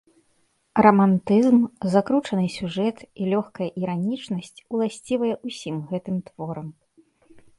Рамантызм, закручаны сюжэт і лёгкая іранічнасць уласцівыя ўсім гэтым творам.